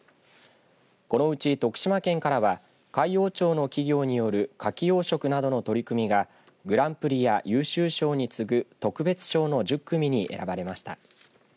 このうち徳島県からは海陽町の企業によるかき養殖などの取り組みがグランプリや優秀賞に次ぐ特別賞の１０組に選ばれました。